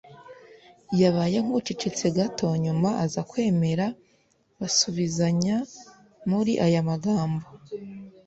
yabaye nk’uceceka gato nyuma aza kwemera basubizanya muri aya magambo